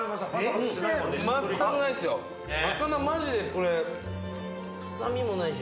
魚マジで臭みもないし。